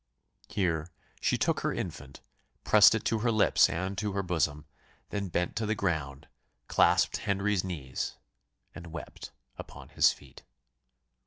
Here she took her infant, pressed it to her lips and to her bosom; then bent to the ground, clasped Henry's knees, and wept upon his feet.